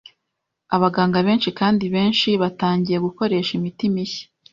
Abaganga benshi kandi benshi batangiye gukoresha imiti mishya